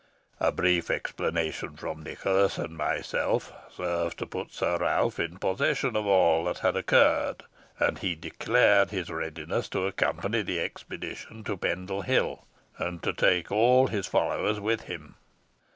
A brief explanation from Nicholas and myself served to put Sir Ralph in possession of all that had occurred, and he declared his readiness to accompany the expedition to Pendle Hill, and to take all his followers with him.